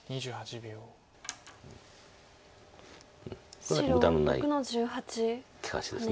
これは無駄のない利かしです。